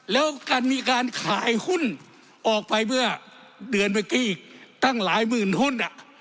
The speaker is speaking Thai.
แล้วการมีการขายหุ้นออกไปเมื่อเดือนเมื่อกี้อีกตั้งหลายหมื่นหุ้น